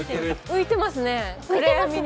浮いてますね、暗闇に。